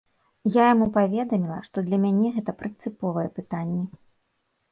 Я яму паведаміла, што для мяне гэта прынцыповае пытанне.